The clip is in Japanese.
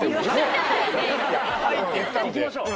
行きましょう。